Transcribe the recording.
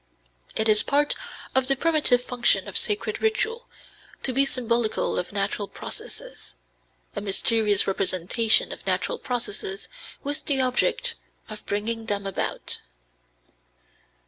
It is part of the primitive function of sacred ritual to be symbolical of natural processes, a mysterious representation of natural processes with the object of bringing them about.